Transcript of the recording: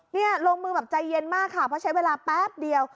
นี่ลงมือแบบใจเย็นมากค่ะเพราะใช้เวลาแป๊บเดียว